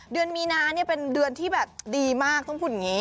เดือนมีนาเป็นเดือนที่แบบดีมากต้องพูดอย่างนี้